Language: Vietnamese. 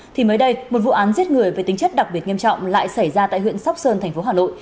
thì mới đây một vụ án giết người với tính chất đặc biệt nghiêm trọng lại xảy ra tại huyện sóc sơn thành phố hà nội